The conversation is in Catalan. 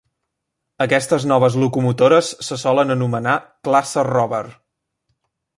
Aquestes noves locomotores se solen anomenar "classe Rover".